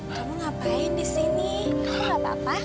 kamu ngapain disini kamu apa apa